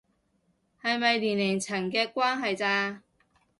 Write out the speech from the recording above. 係咪年齡層嘅關係咋